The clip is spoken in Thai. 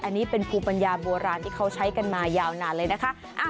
อันนี้เป็นภูมิปัญญาโบราณที่เขาใช้กันมายาวนานเลยนะคะ